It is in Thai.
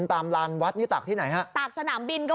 ตามรามวัดนี้ตากที่ไหนฮะ